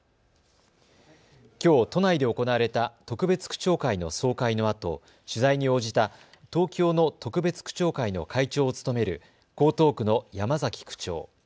きょう都内で行われた特別区長会の総会のあと取材に応じた東京の特別区長会の会長を務める江東区の山崎区長。